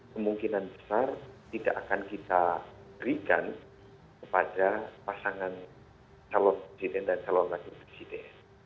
kemungkinan besar tidak akan kita berikan kepada pasangan calon presiden dan calon wakil presiden